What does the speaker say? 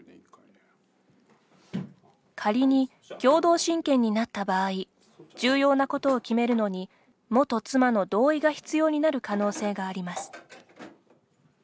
仮に共同親権になった場合重要なことを決めるのに元妻の同意が必要になる可能性があります。